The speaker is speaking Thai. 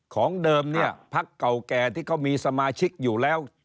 ของเดิมเนี่ยพักเก่าแก่ที่เขามีสมาชิกอยู่แล้ว